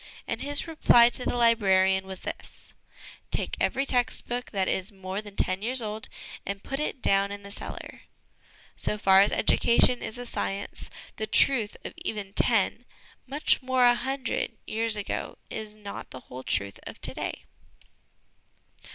And his reply to the librarian was this :' Take every text book that is more than ten years old, and put it down in the cellar.' " So far as education is a science, the truth of even ten much more, a hundred years ago is not the whole truth of to day.